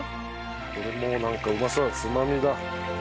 これもうなんかうまそうなつまみだ。